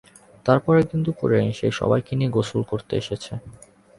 তারপর একদিন দুপুরে সে সবাইকে নিয়ে গোসল করতে এসেছে।